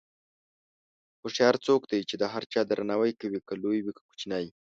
هوښیار څوک دی چې د هر چا درناوی کوي، که لوی وي که کوچنی.